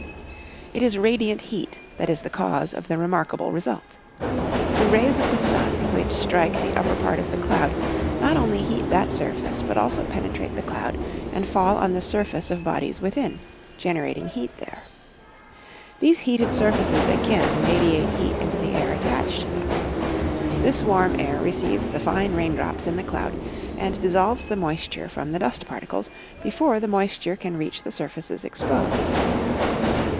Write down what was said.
It is radiant heat that is the cause of the remarkable result. The rays of the sun, which strike the upper part of the cloud, not only heat that surface but also penetrate the cloud and fall on the surface of bodies within, generating heat there. These heated surfaces again radiate heat into the air attached to them. This warm air receives the fine raindrops in the cloud, and dissolves the moisture from the dust particles before the moisture can reach the surfaces exposed.